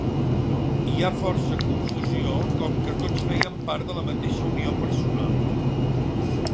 Hi ha força confusió com que tots feien part de la mateixa unió personal.